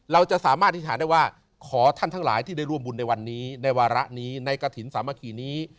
เราจะสามารถอธิษฐานได้ว่าขอท่านทั้งหลายที่ได้ร่วมบุญในวันนี้ในวาระนี้ในกระถิ่นสามัคคีนี้